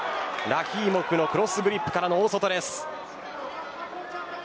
ラヒーモフのクロスグリップからの大外です。